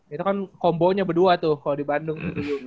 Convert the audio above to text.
itu kan kombonya berdua tuh kalau di bandung